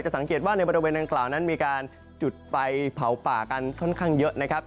สังเกตว่าในบริเวณดังกล่าวนั้นมีการจุดไฟเผาป่ากันค่อนข้างเยอะนะครับ